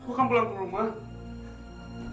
aku akan pulang ke rumah